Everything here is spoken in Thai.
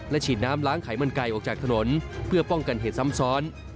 ฉีดน้ำล้างไขมันไก่ออกจากถนนเพื่อป้องกันเหตุซ้ำซ้อน